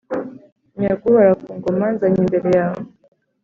Nyaguhora kungoma nzanye imbere yawe